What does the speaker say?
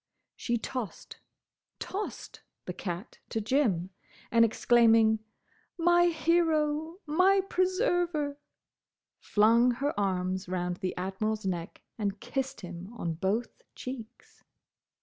She tossed—tossed!—the cat to Jim, and, exclaiming, "My hero! My preserver!" flung her arms round the Admiral's neck and kissed him on both cheeks.